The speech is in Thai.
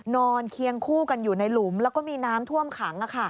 เคียงคู่กันอยู่ในหลุมแล้วก็มีน้ำท่วมขัง